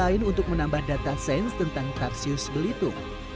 dan mencoba untuk menambah data sains tentang tarsius belitung